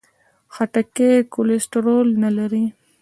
خټکی کولیسټرول نه لري.